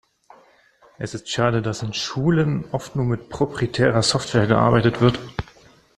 Es ist schade, dass in Schulen oft nur mit proprietärer Software gearbeitet wird.